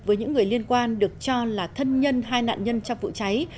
với những người liên quan được cho là thân nhân hai nạn nhân trong vụ cháy